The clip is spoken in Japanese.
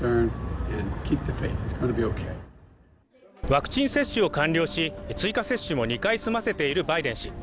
ワクチン接種を完了し、追加接種も２回済ませているバイデン氏。